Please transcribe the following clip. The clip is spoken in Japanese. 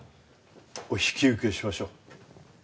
お引き受けしましょう。